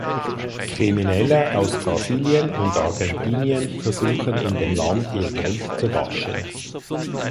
Kriminelle aus Brasilien und Argentinien versuchen in dem Land ihr Geld zu waschen.